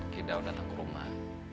kidau datang ke rumah